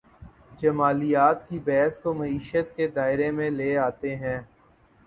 جمالیات کی بحث کو معیشت کے دائرے میں لے آتی ہے۔